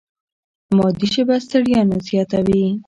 مادي ژبه ستړیا نه زیاتوي.